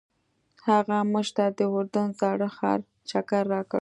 هغه موږ ته د اردن زاړه ښار چکر راکړ.